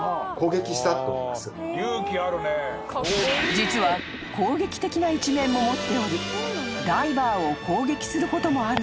［実は攻撃的な一面も持っておりダイバーを攻撃することもあるそう］